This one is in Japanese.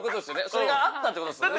それがあったって事ですもんね。